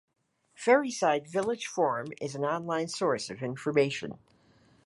Ferryside Village Forum is an online source of information.